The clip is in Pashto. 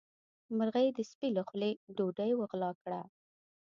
مرغۍ د سپي له خولې ډوډۍ وغلا کړه.